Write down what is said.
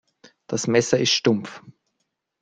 Das Messer ist stumpf.